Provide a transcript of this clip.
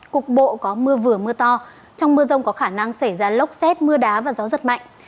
cục bộ có mưa vừa mưa to trong mưa rông có khả năng xảy ra lốc xét mưa đá và gió giật mạnh